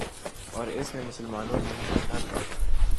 اور اس میں مسلمانوں نے رہنا بھی ہے۔